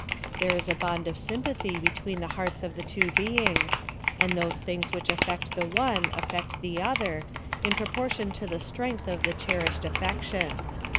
There is a bond of sympathy between the heaits of the two beings, and those thin*^s which affect the one affect the other, in proportion to the strenofth of the cherished affection.